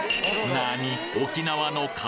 なに！？